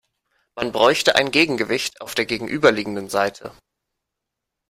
Man bräuchte ein Gegengewicht auf der gegenüberliegenden Seite.